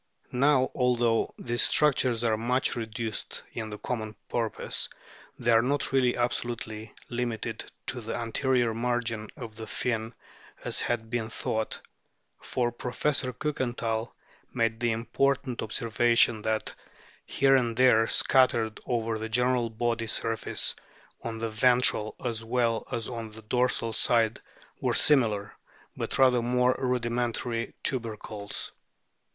Now although these structures are much reduced in the common porpoise, they are not really absolutely limited to the anterior margin of the fin as had been thought, for o ^>' Professor Kiikenthal made the important observation that here and there scattered over the general body surface on the ventral as well as on the dorsal side were similar, but rather more rudimentary, tubercles.